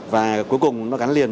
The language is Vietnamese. và cuối cùng nó gắn liền